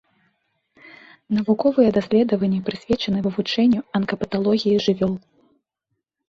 Навуковыя даследаванні прысвечаны вывучэнню анкапаталогіі жывёл.